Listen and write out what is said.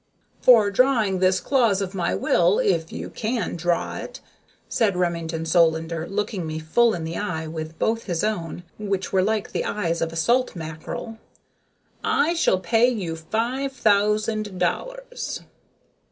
"For drawing this clause of my will, if you can draw it," said Remington Solander, looking me full in the eye with both his own, which were like the eyes of a salt mackerel, "I shall pay you five thousand dollars."